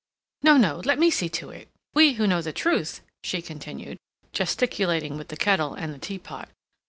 No, no, let me see to it—we who know the truth," she continued, gesticulating with the kettle and the teapot.